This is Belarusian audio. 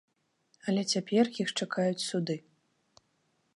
Але цяпер іх чакаюць суды.